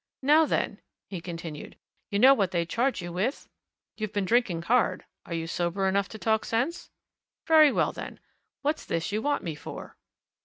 "Now, then," he continued, "you know what they charge you with? You've been drinking hard are you sober enough to talk sense? Very well, then what's this you want me for?"